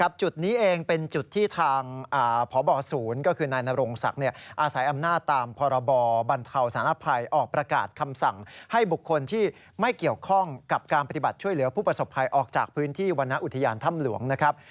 จุดนี้เองเป็นจุดที่ทางพบศูนย์ก็คือนายนรงศักดิ์อาศัยอำนาจตามพรบบรรเทาสารภัยออกประกาศคำสั่งให้บุคคลที่ไม่เกี่ยวข้องกับการปฏิบัติช่วยเหลือผู้ประสบภัยออกจากพื้นที่วรรณอุทยานถ้ำหลวงนะครับ